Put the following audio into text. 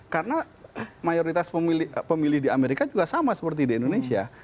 karena mayoritas pemilih di amerika juga sama seperti di indonesia